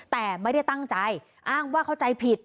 แต่ไม่ได้ตั้งใจอ้างว่าเข้าใจผิด